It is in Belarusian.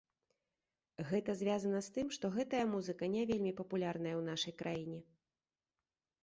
Гэта звязана з тым, што гэтая музыка не вельмі папулярная ў нашай краіне.